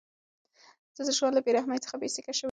زه د ژوند له بېرحمۍ څخه بېسېکه شوی وم.